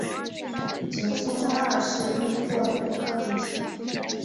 井宿增二是御夫座的一颗恒星。